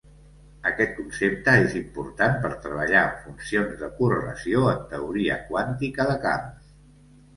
Aquest concepte és important per treballar amb funcions de correlació en teoria quàntica de camps.